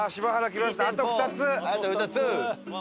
あと２つ！